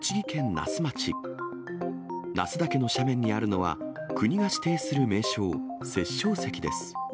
那須岳の斜面にあるのは、国が指定する名称、殺生石です。